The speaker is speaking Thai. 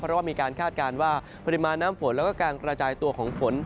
เพราะว่ามีการคาดการณ์ว่าปริมาณน้ำฝนแล้วก็การกระจายตัวของฝน